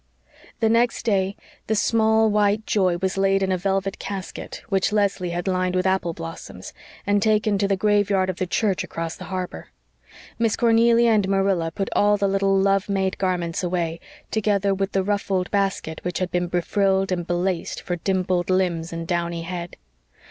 The next day, the small white Joy was laid in a velvet casket which Leslie had lined with apple blossoms, and taken to the graveyard of the church across the harbor. Miss Cornelia and Marilla put all the little love made garments away, together with the ruffled basket which had been befrilled and belaced for dimpled limbs and downy head.